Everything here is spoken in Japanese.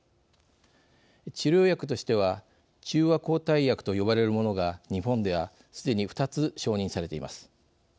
治療薬としては中和抗体薬と呼ばれるものが日本ではすでに２つ承認されています。